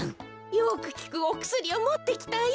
よくきくおくすりをもってきたよ。